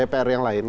dpr yang lain